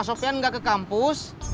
mas ophian nggak ke kampus